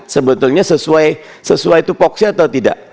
sebetulnya sesuai itu fokusi atau tidak